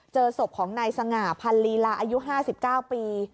เจอศพของนายสง่าพันลีลาอายุ๕๙ปี